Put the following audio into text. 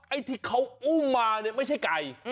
ไอ้ที่เขาอุ้มมาเนี่ยไม่ใช่ไก่